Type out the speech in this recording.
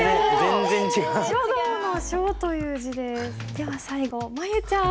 では最後舞悠ちゃん。